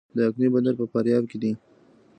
د اقینې بندر په فاریاب کې دی